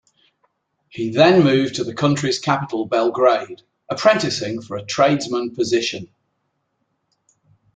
He then moved to the country's capital Belgrade, apprenticing for a tradesman position.